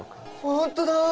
本当だ！